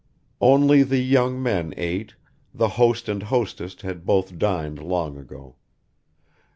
Only the young men ate; the host and hostess had both dined long ago.